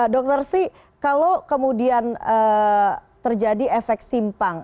dr sri kalau kemudian terjadi efek simpang